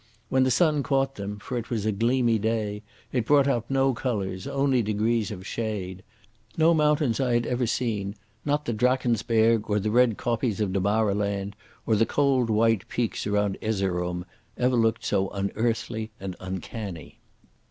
When the sun caught them—for it was a gleamy day—it brought out no colours, only degrees of shade. No mountains I had ever seen—not the Drakensberg or the red kopjes of Damaraland or the cold, white peaks around Erzerum—ever looked so unearthly and uncanny.